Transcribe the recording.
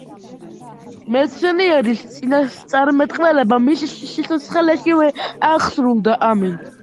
მეცნიერის წინასწარმეტყველება მის სიცოცხლეშივე აღსრულდა.